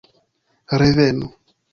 Revenu!